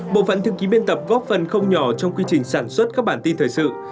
bộ phận thư ký biên tập góp phần không nhỏ trong quy trình sản xuất các bản tin thời sự